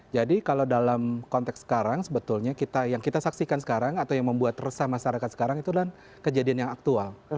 jadi kalau dalam konteks sekarang sebetulnya yang kita saksikan sekarang atau yang membuat resah masyarakat sekarang itu adalah kejadian yang aktual